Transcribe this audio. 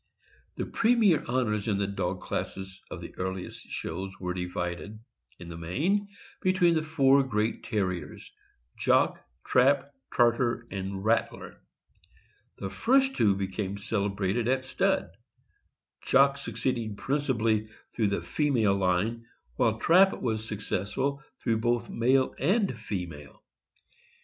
The premier honors in the dog classes of the earliest shows were divided, in the main, between four great Terriers —Jock, Trap, Tartar, and Rattler. The first two became celebrated at stud, Jock succeeding principally through the female line, while Trap was successful through both male and female.